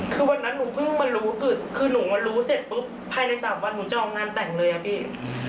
คือวันนั้นหนูเพิ่งมารู้คือหนูมารู้เสร็จปุ๊บภายใน๓วันหนูจะออกงานแต่งเลยอะพี่